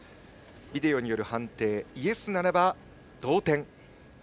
ビデオによる判定イエスならば同点。